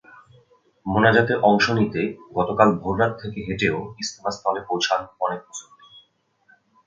মোনাজাতে অংশ নিতে গতকাল ভোররাত থেকে হেঁটেও ইজতেমাস্থলে পৌঁছান অনেক মুসল্লি।